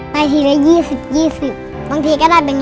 ไปทีละ๒๐๒๐บางทีก็ได้เป็น๑๐